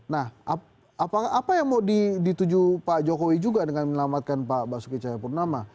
nah apa yang mau dituju pak jokowi juga dengan menyelamatkan pak basuki cahayapurnama